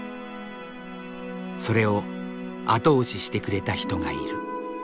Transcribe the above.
それを後押ししてくれた人がいる。